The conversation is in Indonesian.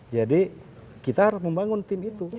jadi kita harus membangun tim itu